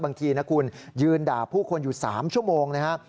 บางทีนะคุณยืนด่าผู้คนอยู่๓ชั่วโมงนะครับ